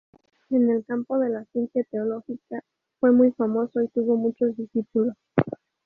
En el campo de la ciencia teológica fue muy famoso y tuvo muchos discípulos.